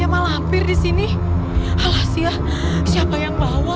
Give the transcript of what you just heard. malam bir disini alas ya siapa yang bawa